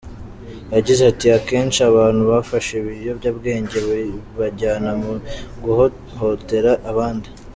Yagize ati” Akenshi abantu bafashe ibiyobyabwenge bibajyana mu guhohotera abandi.